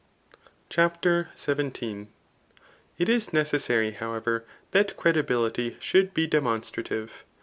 ] CHAPTER IVII. It is necessary, however, that credibility should be demonstrative.